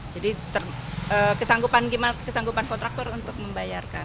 jadi kesanggupan kontraktor untuk membayarkan